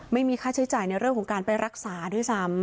ไม่มีค่าใช้จ่ายในเรื่องของการไปรักษาด้วยซ้ำ